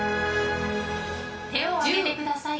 手を上げてください。